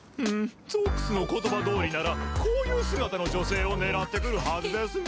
ゾックスの言葉どおりならこういう姿の女性を狙ってくるはずですが。